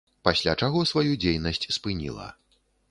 Пасля чаго сваю дзейнасць спыніла.